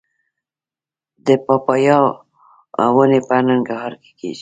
د پاپایا ونې په ننګرهار کې کیږي؟